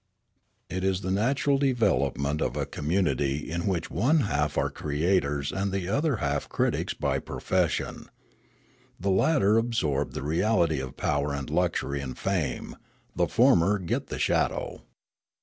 "It is the natural development of a community in which one half are creators and the other half critics by profession. The latter absorb the reality of power and luxury and fame; the former get the shadow.